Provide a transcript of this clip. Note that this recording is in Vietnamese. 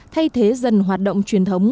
thay thế dần hoạt động truyền thống